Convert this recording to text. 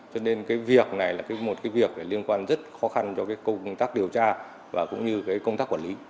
cho nên cái việc này là một cái việc liên quan rất khó khăn cho cái công tác điều tra và cũng như công tác quản lý